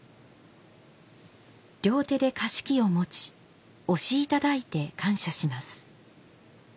両手で菓子器を持ちおしいただいて感謝します。